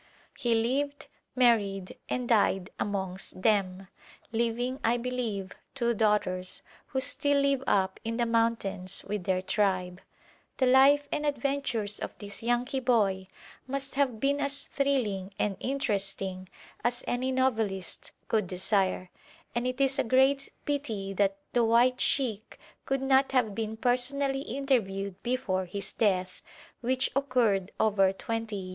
He lived, married, and died amongst them, leaving, I believe, two daughters, who still live up in the mountains with their tribe. The life and adventures of this Yankee boy must have been as thrilling and interesting as any novelist could desire, and it is a great pity that the white sheikh could not have been personally interviewed before his death, which occurred over twenty years ago.